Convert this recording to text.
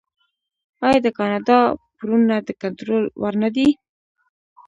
آیا د کاناډا پورونه د کنټرول وړ نه دي؟